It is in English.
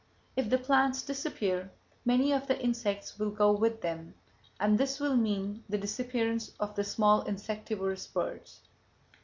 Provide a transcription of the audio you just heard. If the plants disappear, many of the insects will go with them; and this will mean the disappearance of the small insectivorous birds.